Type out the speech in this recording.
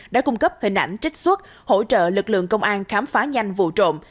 đã cung cấp hình ảnh trích xuất hỗ trợ lực lượng công an khám phá nhanh vụ trộm